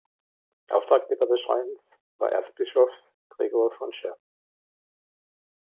Auftraggeber des Schreins war Erzbischofs Gregor von Scherr.